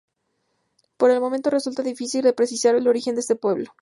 Por el momento resulta difícil de precisar el origen de este pueblo.